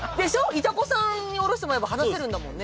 イタコさんにおろしてもらえば話せるんだもんね？